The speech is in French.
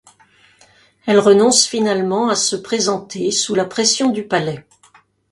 Elle renonce finalement à se présenter sous la pression du palais.